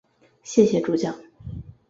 谢谢助教